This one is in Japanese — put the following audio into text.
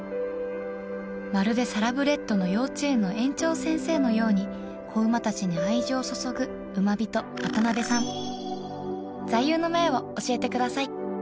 まるでサラブレッドの幼稚園の園長先生のように仔馬たちに愛情を注ぐウマビト渡邉さん座右の銘を教えてください